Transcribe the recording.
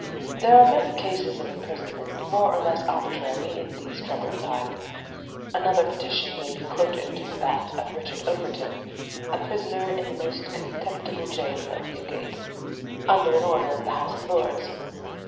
There are many cases of imprisonment more or less arbitrary in these troubled times. Another petition may be quoted, that of Richard Overton, "a prisoner in the most contemptible gaol of Newgate," under an order of the House of Lords.